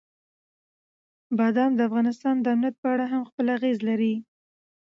بادام د افغانستان د امنیت په اړه هم خپل اغېز لري.